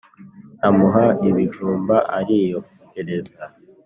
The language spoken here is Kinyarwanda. Amuha iibijumba ariyokereza